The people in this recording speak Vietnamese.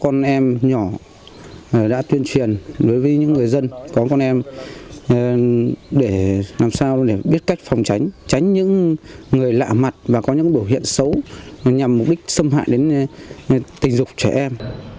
con em nhỏ đã tuyên truyền đối với những người dân có con em để làm sao để biết cách phòng tránh tránh những người lạ mặt và có những biểu hiện xấu nhằm mục đích xâm hại đến tình dục trẻ em